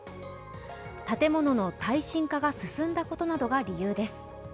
建物の耐震化が進んだことなどが理由です。